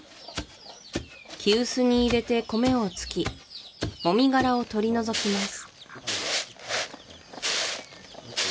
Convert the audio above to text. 木臼に入れて米をつき籾殻を取り除きます